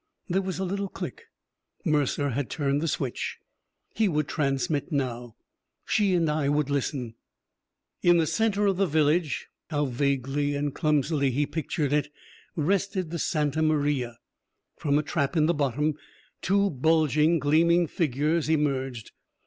_" There was a little click. Mercer had turned the switch. He would transmit now; she and I would listen. In the center of the village how vaguely and clumsily he pictured it! rested the Santa Maria. From a trap in the bottom two bulging, gleaming figures emerged.